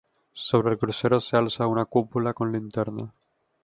Sobre el crucero se alza una cúpula con linterna.